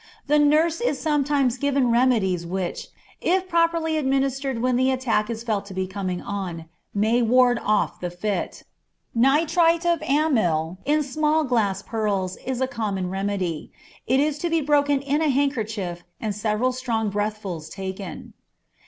The nurse is sometimes given remedies which, if properly administered when the attack is felt to be coming on, may ward off the fit. Nitrite of amyl in small glass pearls is a common remedy. It is to be broken in a handkerchief and several strong breathfuls taken.